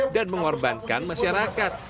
dan mengorbankan masyarakat